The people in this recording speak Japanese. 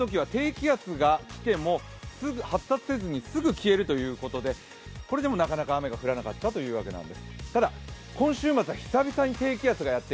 しかも北風のときは低気圧が来ても発達せずにすぐに消えるということでこれでもなかなか雨が降らなかったというわけなんです。